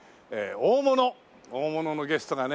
大物のゲストがね